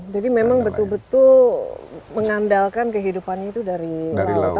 jadi memang betul betul mengandalkan kehidupannya itu dari laut